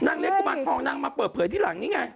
เลี้ยกุมารทองนางมาเปิดเผยที่หลังนี่ไง